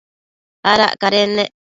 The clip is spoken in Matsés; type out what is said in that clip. Adac cadennec